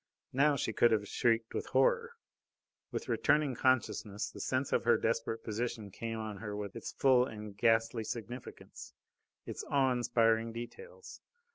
Now she could have shrieked with horror. With returning consciousness the sense of her desperate position came on her with its full and ghastly significance, its awe inspiring details.